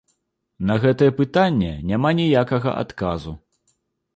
На гэтае пытанне няма ніякага адказу.